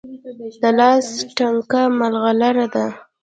د لاس تڼاکه ملغلره ده.